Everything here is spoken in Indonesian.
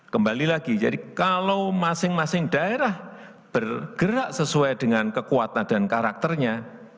kembali lagi jadi kalau masing masing daerah bergerak sesuai dengan kekuatan dan karakternya